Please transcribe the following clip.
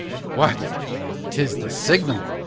What! 'tis the signal!